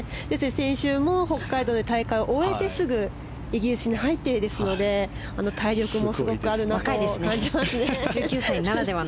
先週も北海道で大会を終えてすぐイギリスに入っていますので体力がすごくあるなと感じますね。